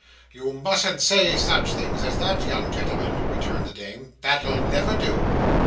"You mustn't say such things as that, young gentleman," returned the dame. "That'll never do."